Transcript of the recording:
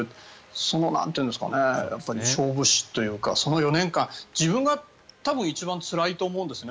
その勝負師というかその４年間自分が多分一番つらいと思うんですね。